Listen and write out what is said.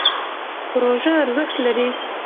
پروژه ارزښت لري.